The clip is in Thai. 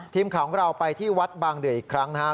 ทีมของเราไปที่วัดบางเดือคครั้งครับ